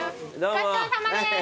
ごちそうさまです。